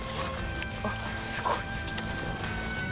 あっすごい。